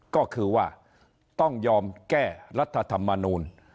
ก็คือว่าต้องยอมแก้รัฐธรรมนูล